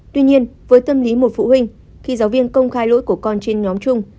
tuy nhiên với tâm lý một phụ huynh khi giáo viên công khai lỗi của con trên nhóm chung